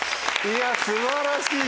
いや素晴らしい！